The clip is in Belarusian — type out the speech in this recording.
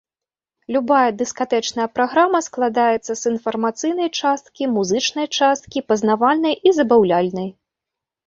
Любая дыскатэчная праграма складаецца з інфармацыйнай часткі, музычнай часткі, пазнавальнай і забаўляльнай.